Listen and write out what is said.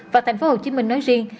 và tp hcm nói riêng